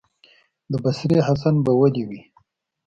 د بصرې حسن به ولي وي،